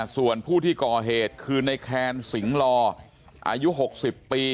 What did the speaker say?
ส่วนผู้ที่ก่อเหตุคือในแคนสิงหลออายุ๖๐ปี